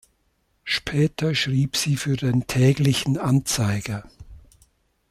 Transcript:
Später schrieb sie für den "Täglichen Anzeiger".